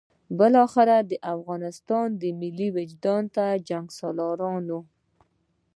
بالاخره د افغانستان ملي وجدان ته د جنګسالارانو.